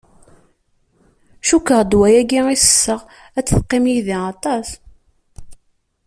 Cukkeɣ ddwa-yagi i sesseɣ ad teqqim yid-i aṭas.